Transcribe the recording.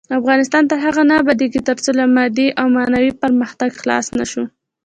افغانستان تر هغو نه ابادیږي، ترڅو له مادي او معنوي پرمختګ خلاص نشو.